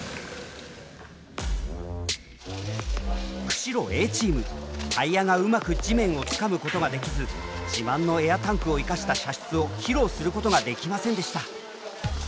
釧路Ａチームタイヤがうまく地面をつかむことができず自慢のエアタンクを生かした射出を披露することができませんでした。